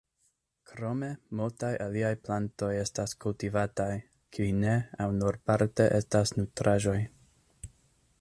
Krome multaj aliaj plantoj estas kultivataj, kiuj ne au nur parte estas nutraĵoj.